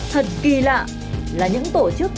thật kỳ lạ là những tổ chức